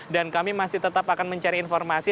dan kami masih tetap akan mencari informasi